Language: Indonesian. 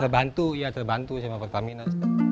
terbantu ya terbantu sama pertamina